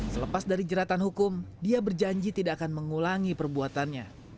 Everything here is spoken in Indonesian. selepas dari jeratan hukum dia berjanji tidak akan mengulangi perbuatannya